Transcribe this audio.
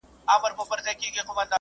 که ليکنه ناسمه وي پوهه نه کېږي.